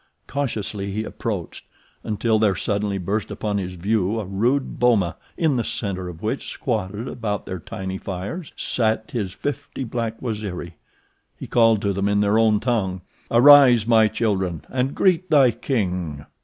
Cautiously he approached until there suddenly burst upon his view a rude boma, in the center of which, squatted about their tiny fires, sat his fifty black Waziri. He called to them in their own tongue: "Arise, my children, and greet thy king!"